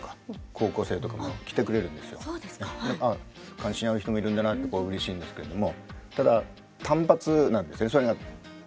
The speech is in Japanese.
関心ある人もいるんだなってうれしいんですけれども